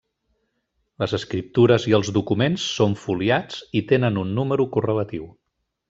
Les escriptures i els documents són foliats i tenen un número correlatiu.